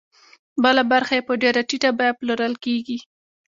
بله برخه یې په ډېره ټیټه بیه پلورل کېږي